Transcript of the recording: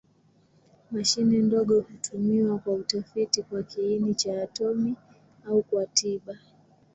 Mashine ndogo hutumiwa kwa utafiti kwa kiini cha atomi au kwa tiba.